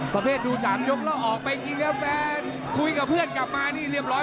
ประเภทดูสารยกเราออกไปคิดเรียกฟแน่นคุยกับเพื่อนกลับมานี่เรียบร้อย